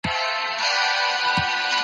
اوس محصلين خواري نه کاږي